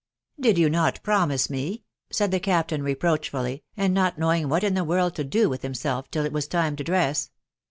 " Did not you promise me ?" said the Captain reproach fully, and not knowing what in the world to do with himself till it was time to dress.